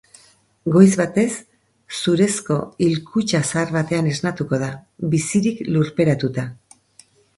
Goiz batez, zurezko hilkutxa zahar batean esnatuko da, bizirik lurperatuta.